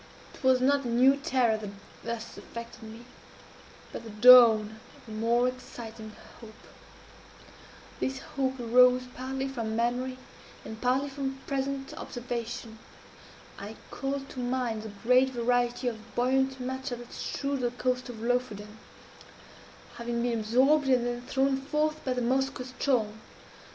"It was not a new terror that thus affected me, but the dawn of a more exciting hope. This hope arose partly from memory, and partly from present observation. I called to mind the great variety of buoyant matter that strewed the coast of Lofoden, having been absorbed and then thrown forth by the Moskoe ström.